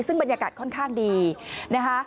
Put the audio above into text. ซึ่งบรรยากาศค่อนข้างดีนะคะ